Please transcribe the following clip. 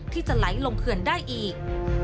ที่จะไหลลงเขื่อนได้อีก